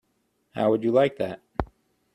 How would you like that?